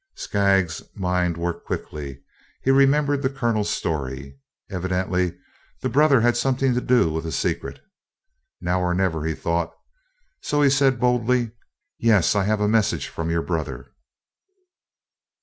Skaggs's mind worked quickly. He remembered the Colonel's story. Evidently the brother had something to do with the secret. "Now or never," he thought. So he said boldly, "Yes, I have a message from your brother."